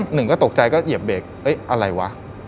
หนึ่งก็ตกใจก็เหยียบเบรกอะไรวะ